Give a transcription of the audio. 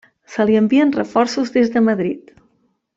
Se li envien reforços des de Madrid.